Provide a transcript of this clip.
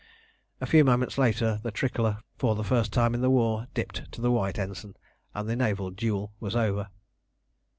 A few moments later the tricolor, for the first time in the war, dipped to the White Ensign, and the naval duel was over.